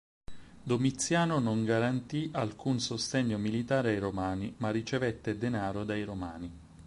Domiziano non garantì alcun sostegno militare ai Romani, ma ricevette denaro dai Romani.